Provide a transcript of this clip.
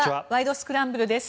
スクランブル」です。